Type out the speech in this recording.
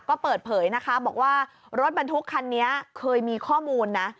ก็เปิดเผยนะคะบอกว่ารถบรรทุกคันนี้เคยมีข้อมูลนะ